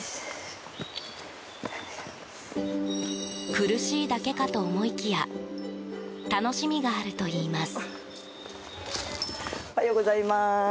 苦しいだけかと思いきや楽しみがあるといいます。